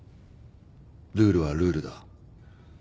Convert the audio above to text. ルールはルールだ。